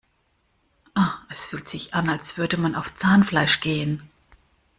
Es fühlt sich an, als würde man auf Zahnfleisch gehen.